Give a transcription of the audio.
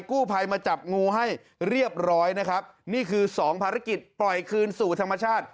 กู้ภัยมาจับงูให้เรียบร้อยนะครับนี่คือสองภารกิจปล่อยคืนสู่ธรรมชาติ